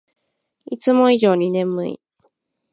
いつも以上に眠い